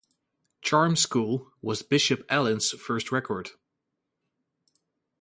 "Charm School" was Bishop Allen's first record.